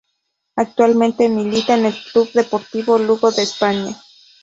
Actualmente milita en el Club Deportivo Lugo de España.